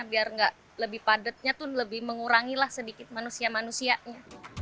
biar nggak lebih padatnya tuh lebih mengurangilah sedikit manusia manusianya